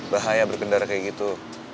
bahaya berkendara kayak gitu